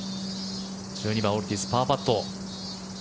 １２番、オルティーズパーパット。